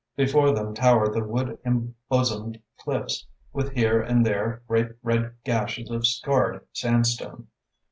Before them towered the wood embosomed cliffs, with here and there great red gashes of scarred sandstone.